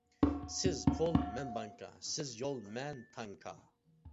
سىز پۇل، مەن بانكا، سىز يول، مەن تانكا.